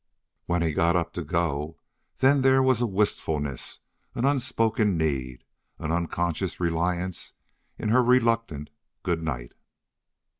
When he got up to go then there was a wistfulness, an unspoken need, an unconscious reliance, in her reluctant good night.